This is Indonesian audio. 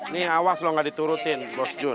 nih awas loh gak diturutin bos jun